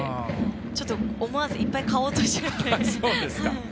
ちょっと、思わずいっぱい買おうとしちゃって。